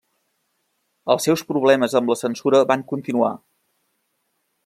Els seus problemes amb la censura van continuar.